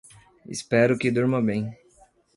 Espero que durma bem